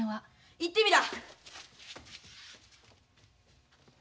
行ってみら。